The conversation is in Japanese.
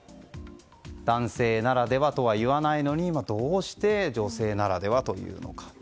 男性ならではとはいわないのにどうして女性ならではと言うのか。